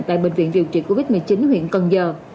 tại bệnh viện điều trị covid một mươi chín huyện cần giờ